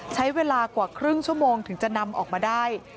ใช้เวลากว่าครึ่งชั่วโมงถึงจะนำออกมาได้